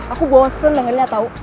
aku bosen dengerinnya tau